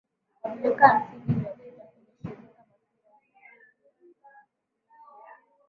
Kwa miaka hamsini iliyopita kwenye shirika mapira wa miguu Ulaya